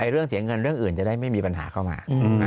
เรื่องเสียเงินเรื่องอื่นจะได้ไม่มีปัญหาเข้ามา